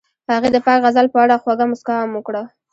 هغې د پاک غزل په اړه خوږه موسکا هم وکړه.